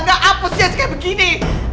gak hapus si dia sekaligus begini